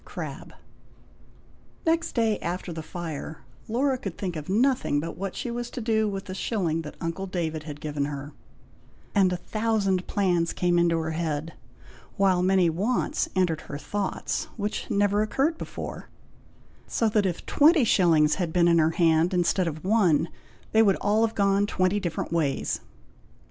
Crabbe. Next day after the fire, Laura could think of nothing but what she was to do with the shilling that uncle David had given her; and a thousand plans came into her head, while many wants entered her thoughts, which never occurred before; so that, if twenty shillings had been in her hand instead of one, they would all have gone twenty different ways.